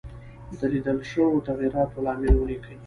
د لیدل شوو تغیراتو لامل ولیکئ.